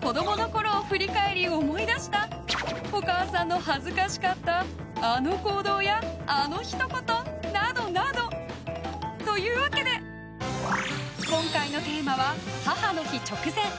子供のころを振り返り思い出したお母さんの恥ずかしかったあの行動や、あのひと言などなど。というわけで、今回のテーマは母の日直前！